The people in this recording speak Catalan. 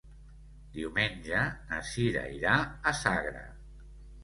Diumenge na Cira irà a Sagra.